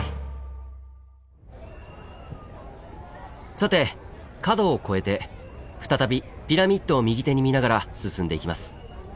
さて角を越えて再びピラミッドを右手に見ながら進んでいきます。